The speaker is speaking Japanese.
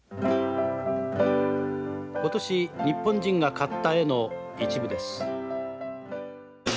「今年日本人が買った絵の一部です」。